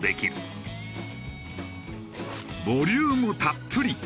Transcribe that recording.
ボリュームたっぷり！